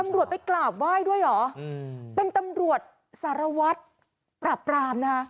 ตำรวจไปกราบไหว้ด้วยเหรอเป็นตำรวจสารวัตรปราบปรามนะคะ